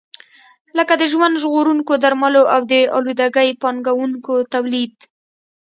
لکه د ژوند ژغورونکو درملو او د آلودګۍ پاکونکو تولید.